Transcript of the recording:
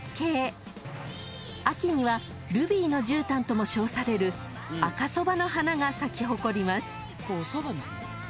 ［秋にはルビーのじゅうたんとも称される赤そばの花が咲き誇ります］